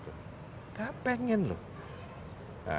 tidak ingin lho